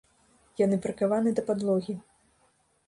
Яны прыкаваны да падлогі.